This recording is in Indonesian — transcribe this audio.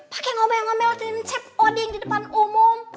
pakai ngomel ngomelin cep odin di depan umum